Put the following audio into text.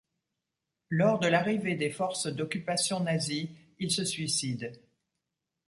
Lors de l’arrivée des forces d’occupation nazies, il se suicide.